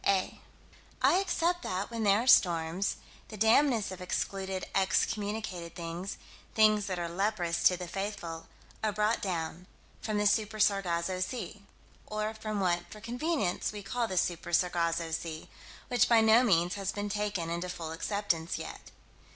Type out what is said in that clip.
8 I accept that, when there are storms, the damnedest of excluded, excommunicated things things that are leprous to the faithful are brought down from the Super Sargasso Sea or from what for convenience we call the Super Sargasso Sea which by no means has been taken into full acceptance yet.